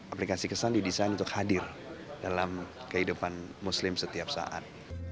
aplikasi kesan didesain untuk hadir dalam kehidupan muslim setiap saat